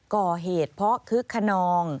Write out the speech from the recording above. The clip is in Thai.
ก็เหตุเพราะขฤขนอง